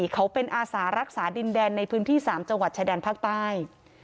เขาเป็นอาสารักษาดินแดนในพื้นที่๓จังหวัดชายแดนภาคใต้